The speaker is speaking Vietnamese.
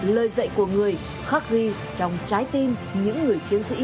lời dạy của người khắc ghi trong trái tim những người chiến sĩ